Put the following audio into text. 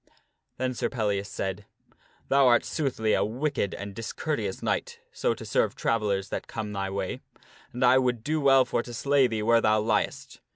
Then Sir Pellias said, " Thou art soothly a wicked and discourteous knight so to serve travellers that come thy way, and I would do well for to slay thee where thou liest.